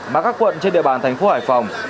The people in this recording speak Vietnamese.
mà các quận trên địa bàn thành phố hải phòng